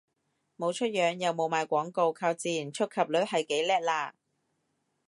冇出樣又冇賣廣告，靠自然觸及率係幾叻喇